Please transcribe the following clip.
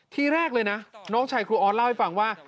ทีแรกเลยนะน้องชายครูออสเล่าให้ฟังว่า